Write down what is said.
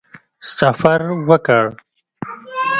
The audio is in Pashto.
سفر وکړ.